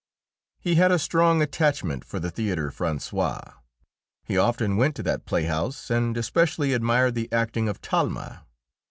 He had a strong attachment for the Théâtre Français. He often went to that playhouse, and especially admired the acting of Talma.